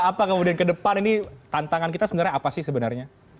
apa kemudian ke depan ini tantangan kita sebenarnya apa sih sebenarnya